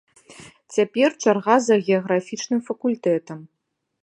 Цяпер чарга за геаграфічным факультэтам.